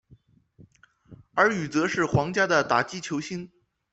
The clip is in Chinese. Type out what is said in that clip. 而与则是皇家的打击球星。